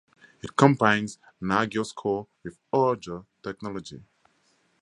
It combines Nagios Core with other technologies.